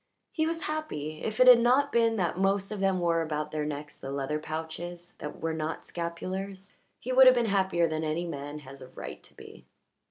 He was happy; if it had not been that most of them wore about their necks the leather pouches that were not scapulars he would have been happier than any man has a right to be.